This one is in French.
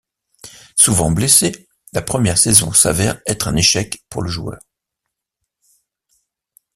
Souvent blessé, la première saison s'avère être un échec pour le joueur.